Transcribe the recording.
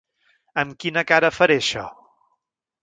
Amb quina cara faré això?